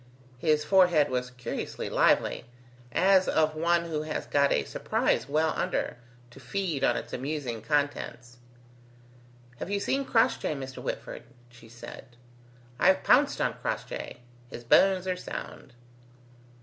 His forehead was curiously lively, as of one who has got a surprise well under, to feed on its amusing contents. "Have you seen Crossjay, Mr. Whitford?" she said. "I've pounced on Crossjay; his bones are sound."